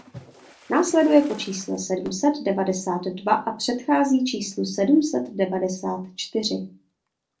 Následuje po čísle sedm set devadesát dva a předchází číslu sedm set devadesát čtyři.